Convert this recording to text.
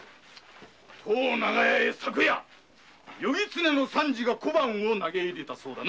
当長屋へ昨夜「夜狐の三次」が小判を投げ入れたそうだな！